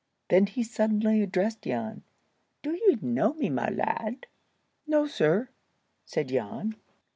Then he suddenly addressed Jan. "Do ye know me, my lad?" "No, sir," said Jan.